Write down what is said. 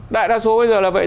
đại đa số bây giờ là vậy